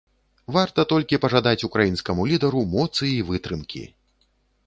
Варта толькі пажадаць украінскаму лідару моцы і вытрымкі.